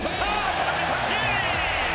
空振り三振。